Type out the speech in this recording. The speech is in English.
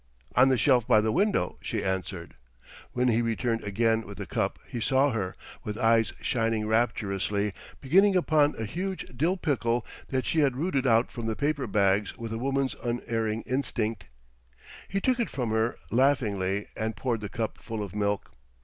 "On the shelf by the window," she answered. When he turned again with the cup he saw her, with eyes shining rapturously, beginning upon a huge Dill pickle that she had rooted out from the paper bags with a woman's unerring instinct. He took it from her, laughingly, and poured the cup full of milk.